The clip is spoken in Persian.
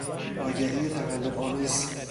آگهی تقلبآمیز